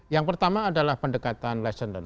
yang pertama adalah pendekatan lessoner